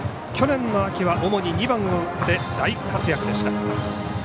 去年の秋は主に２番を打って大活躍でした。